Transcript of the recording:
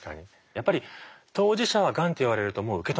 やっぱり当事者はがんって言われるともう受け止めきれない。